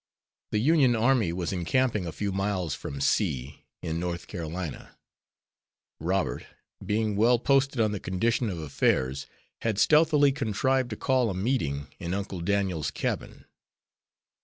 The Union army was encamping a few miles from C , in North Carolina. Robert, being well posted on the condition of affairs, had stealthily contrived to call a meeting in Uncle Daniel's cabin.